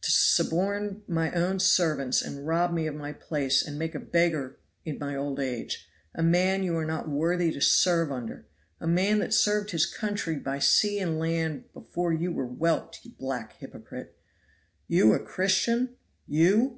to suborn my own servants and rob me of my place and make me a beggar in my old age, a man you are not worthy to serve under, a man that served his country by sea and land before you were whelped, ye black hypocrite. You a Christian! you?